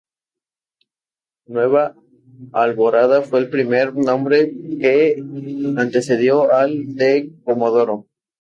Nueva Alborada fue el primer nombre que antecedió al de Comodoro.